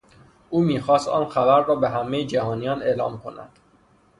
او میخواست آن خبر را به همهی جهانیان اعلام کند.